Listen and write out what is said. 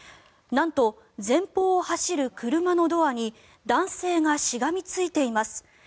なんと、前方を走る車のドアに男性がしがみついています。